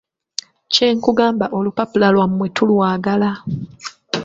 Kye nkugamba olupapula lwammwe tulwagala.